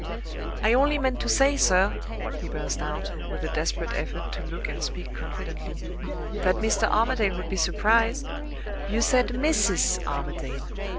"I only meant to say, sir," he burst out, with a desperate effort to look and speak confidently, "that Mr. Armadale would be surprised " "You said Mrs. Armadale!"